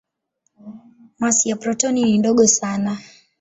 Masi ya protoni ni ndogo sana.